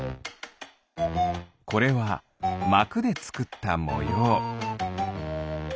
これはまくでつくったもよう。